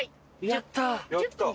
やった！